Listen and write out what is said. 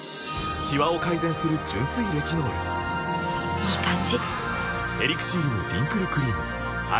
いい感じ！